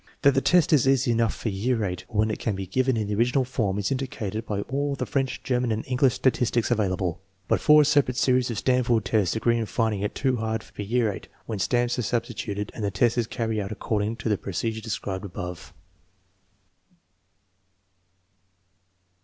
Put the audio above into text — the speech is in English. That the test is easy enough for year VIII when it can be given in the original form is indicated by all the French, German, and English statistics available, but four separate series of Stanford tests agree in finding it too hard for year VIII when stamps are substituted and the test is carried out according to the procedure described above.